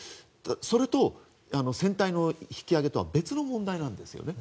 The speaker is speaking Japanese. それと船体の引き揚げとは別の問題なんですよね。